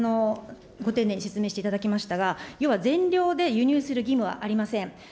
ご丁寧に説明していただきましたが、全量で輸入する義務はありません。